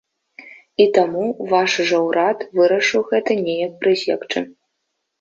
І таму ваш жа ўрад вырашыў гэта неяк прысекчы.